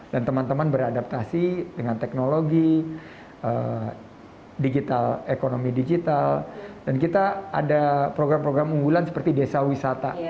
dan teman teman beradaptasi dengan teknologi ekonomi digital dan kita ada program program unggulan seperti desa wisata